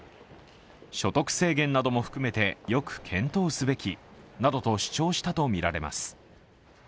所得制限なども含めてよく検討すべきなどと主張したとみられます。